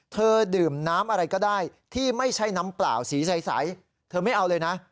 ดื่มน้ำอะไรก็ได้ที่ไม่ใช่น้ำเปล่าสีใสเธอไม่เอาเลยนะ